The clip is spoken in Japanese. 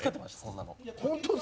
そんなの。